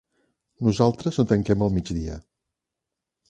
Nosaltres no tanquem al migdia.